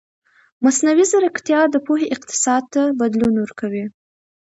مصنوعي ځیرکتیا د پوهې اقتصاد ته بدلون ورکوي.